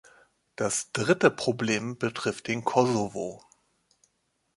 Das dritte Problem betrifft den Kosovo.